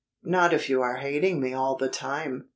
"Not if you are hating me all the time."